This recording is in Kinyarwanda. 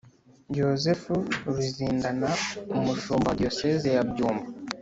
yozefu ruzindana, umushumba wa diyoseze ya byumba